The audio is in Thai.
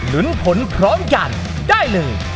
ลุ้นผลพร้อมกันได้เลย